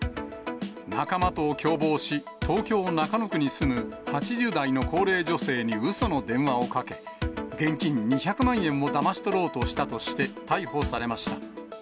仲間と共謀し、東京・中野区に住む、８０代の高齢女性にうその電話をかけ、現金２００万円をだまし取ろうとしたとして、逮捕されました。